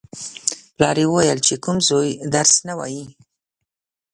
پلار یې ویل: چې کوم زوی درس نه وايي.